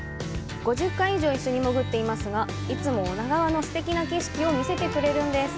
５０回以上、一緒に潜っていますが、いつも女川のすてきな景色を見せてくれるんです。